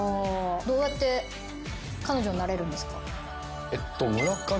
どうやって彼女になれるんですか？